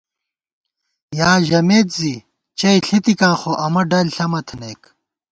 یا ژَمېت زی چَئ ݪِتِکاں خو امہ ڈل ݪمہ تھنَئیک